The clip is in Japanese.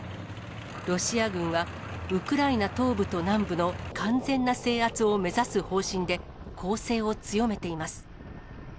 ロシア軍はウクライナ東部と南部の完全な制圧を目指す方針で、攻勢を強めています。